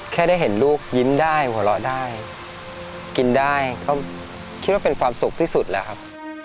แค่ได้เห็นลูกยิ้มได้หัวเราะได้กินได้ก็คิดว่าเป็นความสุขที่สุดแล้วครับ